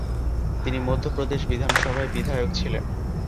তিনি মধ্য প্রদেশ বিধানসভায় বিধায়ক ছিলেন।